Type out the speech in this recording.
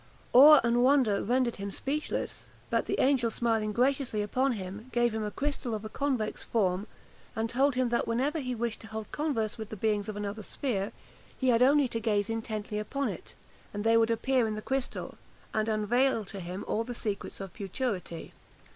Awe and wonder rendered him speechless; but the angel smiling graciously upon him, gave him a crystal, of a convex form, and told him that whenever he wished to hold converse with the beings of another sphere, he had only to gaze intently upon it, and they would appear in the crystal, and unveil to him all the secrets of futurity.